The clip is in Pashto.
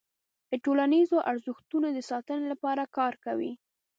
د ټولنیزو ارزښتونو د ساتنې لپاره کار کوي.